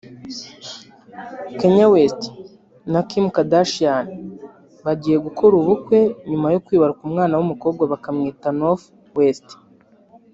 Kanye West na Kim Kardashian bagiye gukora ubukwe nyuma yo kwibaruka umwana w’umukobwa bakamwita Norht West